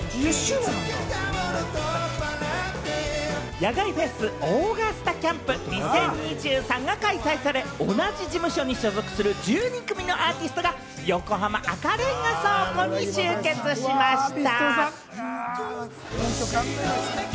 野外フェス、ＡｕｇｕｓｔａＣａｍｐ２０２３が開催され、同じ事務所に所属する１２組のアーティストが横浜赤レンガ倉庫に集結しました。